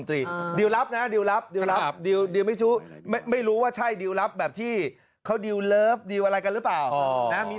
เดี๋ยวดีลลับสำเร็จแล้วคนนี้จะถูกเชิญมาเป็นนายกกธบตรี